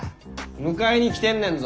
迎えに来てんねんぞ